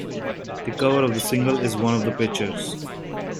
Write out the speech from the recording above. The cover of the single is one of the pictures.